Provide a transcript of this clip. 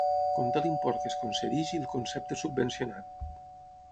Conté l'import que es concedeix i el concepte subvencionat.